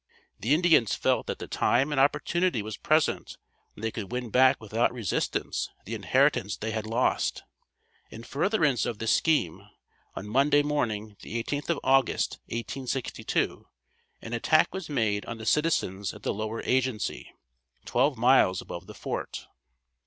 The Indians felt that the time and opportunity was present when they could win back without resistance the inheritance they had lost. In furtherance of this scheme, on Monday morning, the 18th of August, 1862, an attack was made on the citizens at the lower agency, twelve miles above the fort.